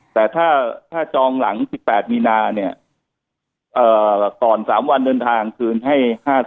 แต่ถ้าจองหลัง๑๘มีนาเนี่ยก่อน๓วันเดินทางคืนให้๕๐